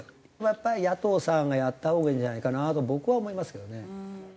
やっぱり野党さんがやったほうがいいんじゃないかなと僕は思いますけどね。